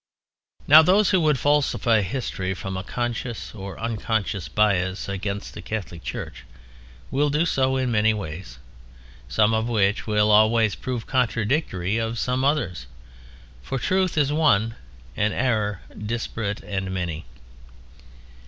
Now those who would falsify history from a conscious or unconscious bias against the Catholic Church, will do so in many ways, some of which will always prove contradictory of some others. For truth is one, error disparate and many.